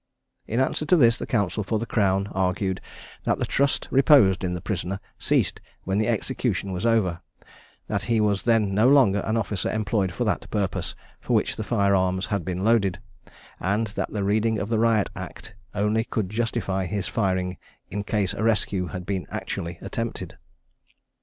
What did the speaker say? In answer to this the counsel for the crown argued, that the trust reposed in the prisoner ceased when the execution was over; that he was then no longer an officer employed for that purpose for which the fire arms had been loaded; and that the reading of the Riot Act only could justify his firing in case a rescue had been actually attempted.